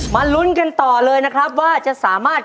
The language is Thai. ลุ้นกันต่อเลยนะครับว่าจะสามารถ